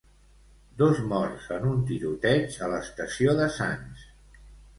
Dos morts en un tiroteig a l'estació de Sants.